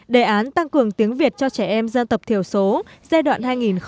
đề án tăng cường tiếng việt cho trẻ em dân tộc thiểu số giai đoạn hai nghìn một mươi sáu hai nghìn hai mươi